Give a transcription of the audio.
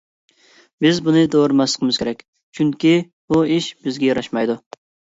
بىز بۇنى دورىماسلىقىمىز كېرەك، چۈنكى بۇ ئىش بىزگە ياراشمايدۇ.